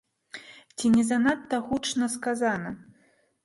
Ці не занадта гучна сказана?